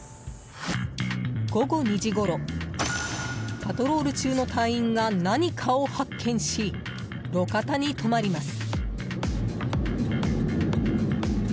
午後２時ごろパトロール中の隊員が何かを発見し、路肩に止まります。